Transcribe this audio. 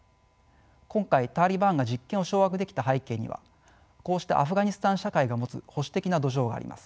今回タリバンが実権を掌握できた背景にはこうしたアフガニスタン社会が持つ保守的な土壌があります。